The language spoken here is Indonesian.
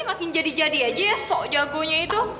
makin jadi jadi aja ya sok jagonya itu